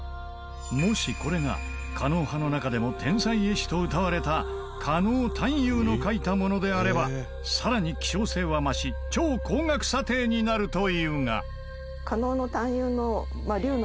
もしこれが狩野派の中でも天才絵師とうたわれた狩野探幽の描いたものであればさらに希少性は増し超高額査定になるというが。